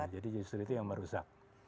jadi justru itu yang merusak